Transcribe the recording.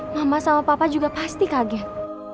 mama sama papa juga pasti kaget